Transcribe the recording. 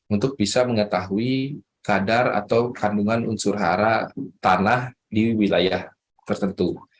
untuk bisa mengetahui kadar atau kandungan unsur hara tanah di wilayah tertentu